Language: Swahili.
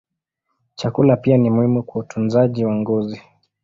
Chakula pia ni muhimu kwa utunzaji wa ngozi.